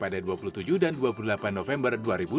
dan dua puluh delapan november dua ribu dua puluh